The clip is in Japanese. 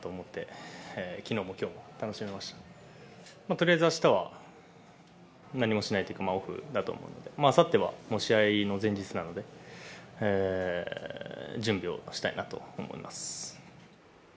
とりあえず明日は何もしないというかオフだと思うので、あさってはもう試合の前日なので準備をしたいなと思います。